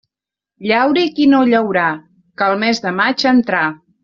Llauri qui no llaurà, que el mes de maig entrà.